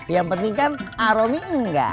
yang penting kan aromi enggak